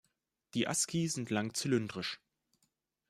Die Asci sind lang zylindrisch.